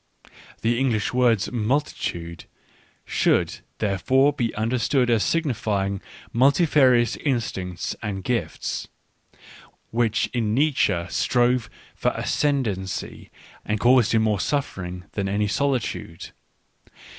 The English word ," multitude " should, therefore, be understood as signifying multifarious instincts and gifts, which in Nietzsche strove for ascendancy and caused him more suffering than any solitude.